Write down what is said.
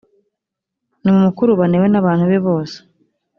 nimumukurubane we n abantu be bose